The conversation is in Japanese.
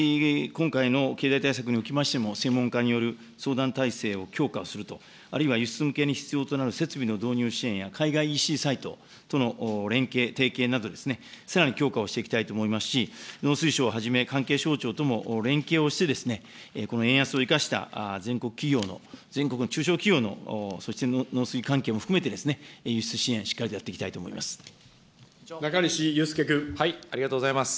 引き続き今回の経済対策におきましても、専門家による相談体制を強化をすると、あるいは輸出向けに必要となる設備の導入支援や海外ＥＣサイトとの連携、提携など、さらに強化をしていきたいと思いますし、農水省をはじめ関係省庁とも連携をして、この円安を生かした全国企業の、全国の中小企業のそして農水環境も含めて、輸出支援、しっか中西祐介君。ありがとうございます。